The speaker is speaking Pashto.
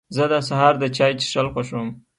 زه د سهار د چای څښل خوښوم.